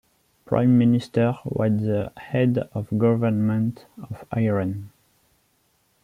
Prime Minister was the head of government of Iran.